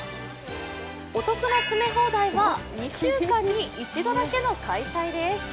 お得な詰め放題は２週間に１度だけの開催です。